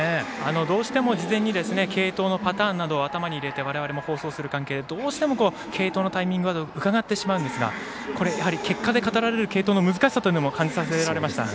どうしても事前に継投のパターンなどを頭に入れてどうしても継投のタイミングをうかがってしまうんですがやはり結果で語られる継投の難しさというのも感じましたね。